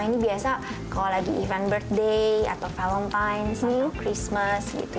ini biasa kalau lagi event birthday atau valentine's atau christmas gitu